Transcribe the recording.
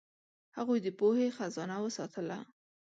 هغوی د پوهې خزانه وساتله.